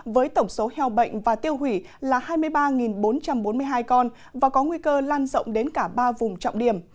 với tổng số heo bệnh và tiêu hủy là hai mươi ba bốn trăm bốn mươi hai con và có nguy cơ lan rộng đến cả ba vùng trọng điểm